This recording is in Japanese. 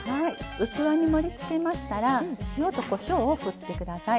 器に盛りつけましたら塩とこしょうを振ってください。